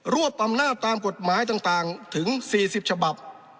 วบอำนาจตามกฎหมายต่างถึง๔๐ฉบับ